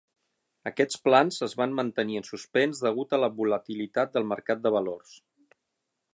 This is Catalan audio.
Aquests plans es van mantenir en suspens degut a la volatilitat del mercat de valors.